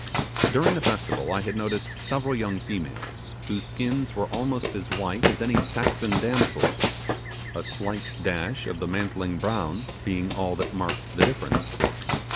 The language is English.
During the festival, I had noticed several young females whose skins were almost as white as any Saxon damsel's; a slight dash of the mantling brown being all that marked the difference.